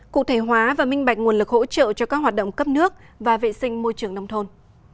cụ thể hóa và minh bạch nguồn lực hỗ trợ cho các hoạt động cấp nước và vệ sinh môi trường nông thôn